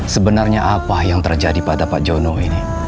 sebenarnya apa yang terjadi pada pak jono ini